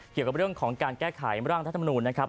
เกี่ยวกับเรื่องของการแก้ไขร่างรัฐมนูลนะครับ